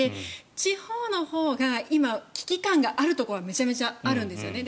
地方のほうが今、危機感があるところはめちゃくちゃあるんですよね。